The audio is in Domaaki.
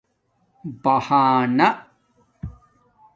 بہانہ